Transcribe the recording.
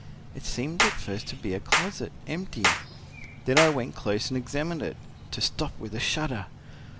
It seemed at first to be a closet, empty. Then I went close and examined it, to stop with a shudder.